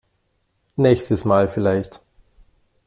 Nächstes Mal vielleicht.